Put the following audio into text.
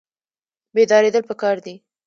بیداریدل پکار دي